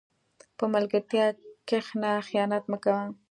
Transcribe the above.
په ملګرتیا کښېنه، خیانت مه کوه.